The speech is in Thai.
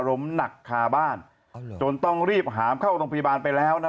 ล้มหนักคาบ้านจนต้องรีบหามเข้าโรงพยาบาลไปแล้วนะ